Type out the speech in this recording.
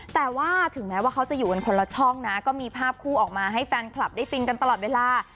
แต่ว่าถึงแม้ว่าเขาจะอยู่กันคนละช่องนะก็มีภาพคู่ออกมาให้แฟนคลับได้ฟินกันตลอดเวลา